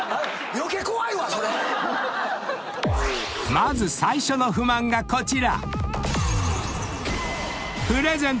［まず最初の不満がこちら］